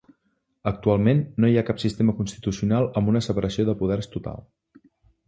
Actualment, no hi ha cap sistema constitucional amb una separació de poders total.